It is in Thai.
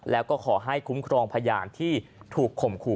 แล้วก็ขอให้คุ้มครองพยานที่ถูกข่มขู่